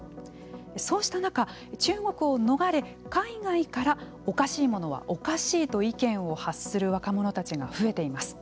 そうした中、中国を逃れ海外からおかしいものはおかしいと意見を発する若者たちが増えています。